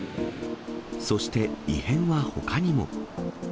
そして、異変はほかにも。